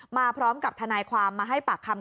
มาพร้อมกับทนายความมาให้ปากคำ